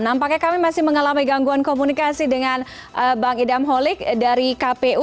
nampaknya kami masih mengalami gangguan komunikasi dengan bang idam holik dari kpu